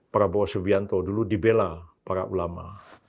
prabowo subianto dulu dibela para ulama